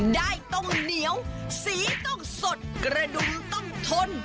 ได้ต้องเหนียวสีต้องสดกระดุมต้องทน